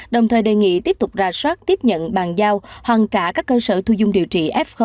đồng thời đề nghị tiếp tục ra soát tiếp nhận bàn giao hoàn cả các cơ sở thu dung điều trị f một